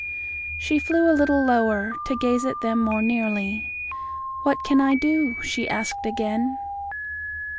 She flew a little lower, to gaze at them more nearly. "What can I do?" she asked again.